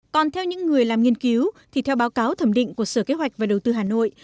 còn theo những người làm nghiên cứu thì theo báo cáo thẩm định của sở kế hoạch và đầu tư hà nội